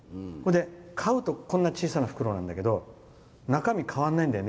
買うと小さな袋なんだけど中身変わらないんだよね。